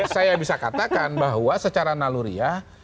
saya bisa katakan bahwa secara naluriah